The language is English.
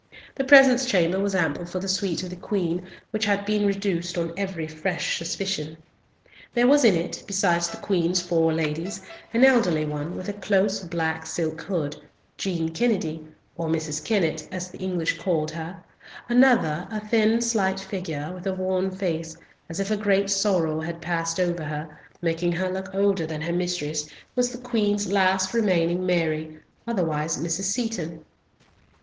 The presence chamber was ample for the suite of the Queen, which had been reduced on every fresh suspicion. There was in it, besides the Queen's four ladies, an elderly one, with a close black silk hood—Jean Kennedy, or Mrs. Kennett as the English called her; another, a thin slight figure, with a worn face, as if a great sorrow had passed over her, making her look older than her mistress, was the Queen's last remaining Mary, otherwise Mrs. Seaton.